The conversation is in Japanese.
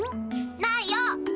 ないよ。